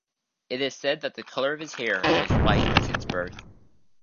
It is said that the color of his hair was white since birth.